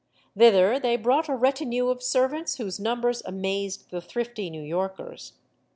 Thither they brought a retinue of servants whose numbers amazed the thrifty New Yorkers.